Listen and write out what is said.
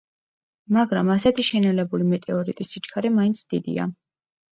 მაგრამ ასეთი შენელებული მეტეორიტის სიჩქარე მაინც დიდია.